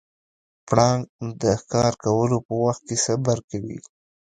پړانګ د ښکار کولو په وخت کې صبر کوي.